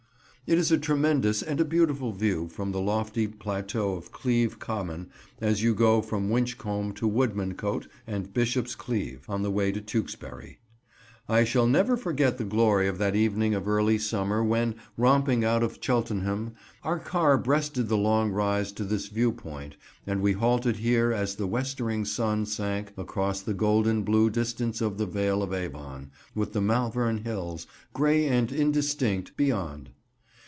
It is a tremendous and a beautiful view from the lofty plateau of Cleeve Common as you go from Winchcombe to Woodmancote and Bishop's Cleeve, on the way to Tewkesbury. I shall never forget the glory of that evening of early summer when, romping out of Cheltenham, our car breasted the long rise to this view point and we halted here as the westering sun sank across the golden blue distance of the Vale of Avon, with the Malvern Hills, grey and indistinct, beyond.